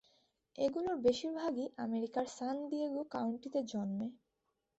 এগুলির বেশিরভাগই আমেরিকার সান দিয়েগো কাউন্টিতে জন্মে।